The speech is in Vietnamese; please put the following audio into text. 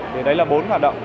thì đấy là bốn hoạt động